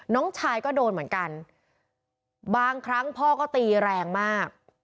น้องชายก็โดนเหมือนกันบางครั้งพ่อก็ตีแรงมาก